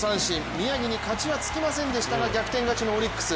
宮城に勝ちはつきませんでしたが、逆転勝ちのオリックス。